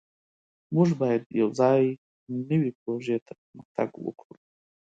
موږ باید یوځای نوې پروژې ته پرمختګ وکړو.